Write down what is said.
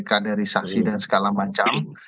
kaderisasi dan segala macam